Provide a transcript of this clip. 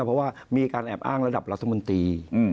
เพราะว่ามีการแอบอ้างระดับรัฐมนตรี